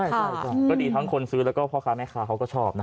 ใช่ก็ดีทั้งคนซื้อแล้วก็พ่อค้าแม่ค้าเขาก็ชอบนะ